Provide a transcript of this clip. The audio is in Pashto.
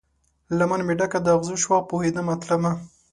لمن مې ډکه د اغزو شوه، پوهیدمه تلمه